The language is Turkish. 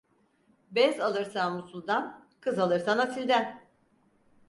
Bez alırsan Musul'dan, kız alırsan asilden.